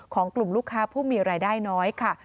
ของกลุ่มลูกค้าผู้มีรายได้น้อยค่ะ